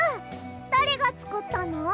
だれがつくったの？